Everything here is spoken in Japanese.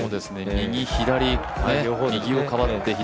右、左、右をかばって、左。